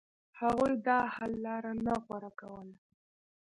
هغوی د حل لار نه غوره کوله.